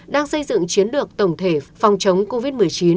đang xây dựng chiến lược tổng thể phòng chống covid một mươi chín